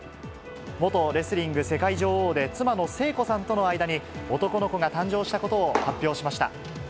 元レスリング世界女王で、妻の聖子さんとの間に、男の子が誕生したことを発表しました。